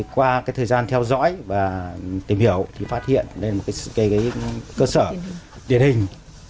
qua thời gian theo dõi và tìm hiểu phát hiện cơ sở điện hình